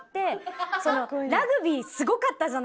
ラグビーすごかったじゃないですか。